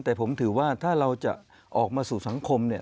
แต่ผมถือว่าถ้าเราจะออกมาสู่สังคมเนี่ย